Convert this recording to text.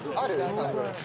サングラス。